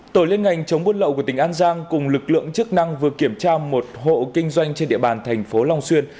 tổ liên ngành chống buôn lậu của tỉnh an giang cùng lực lượng chức năng vừa kiểm tra một hộ kinh doanh trên địa bàn thành phố long xuyên